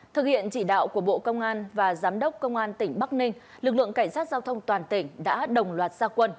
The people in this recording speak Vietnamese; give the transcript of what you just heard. thực hiện chỉ đạo của bộ công an và giám đốc công an tỉnh bắc ninh lực lượng cảnh sát giao thông toàn tỉnh đã đồng loạt gia quân